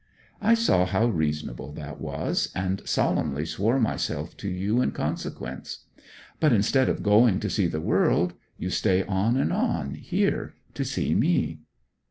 I saw how reasonable that was; and solemnly swore myself to you in consequence. But instead of going to see the world you stay on and on here to see me.'